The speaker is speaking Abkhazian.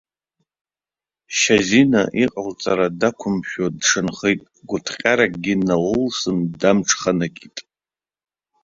Шьазина иҟалҵара дақәымшәо дшанхеит, гәыҭҟьаракгьы налылсын дамҽханакит.